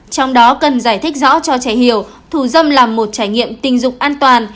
trong đó cần giải thích rõ cho trẻ hiểu thủ dâm là một trải nghiệm tình dục an toàn